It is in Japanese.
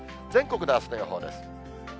全国のあすの予報です。